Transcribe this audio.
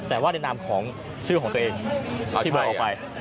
แต่ว่าในนามของชื่อของตัวเองอธิบายออกไป